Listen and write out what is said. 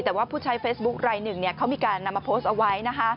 แต่ว่าผู้ชายเฟสบุ๊คไร่๑เขามีการนำมาโพสต์เอาไว้